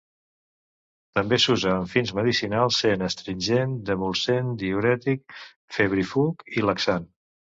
També s'usa amb fins medicinals, sent astringent, demulcent, diürètic, febrífug i laxant.